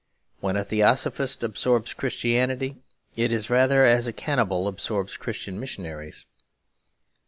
When a theosophist absorbs Christianity it is rather as a cannibal absorbs Christian missionaries.